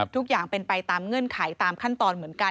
ทุกอย่างเป็นไปตามเงื่อนไขตามขั้นตอนเหมือนกัน